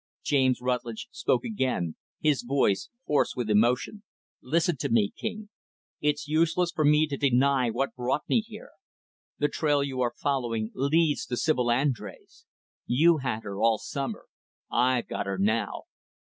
James Rutlidge spoke again, his voice hoarse with emotion; "Listen to me, King. It's useless for me to deny what brought me here. The trail you are following leads to Sibyl Andrés. You had her all summer. I've got her now.